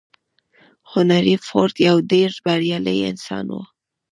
هنري فورډ يو ډېر بريالی انسان و.